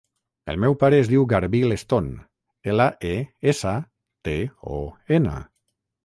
El meu pare es diu Garbí Leston: ela, e, essa, te, o, ena.